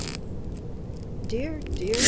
DEAR, DEAR MRS.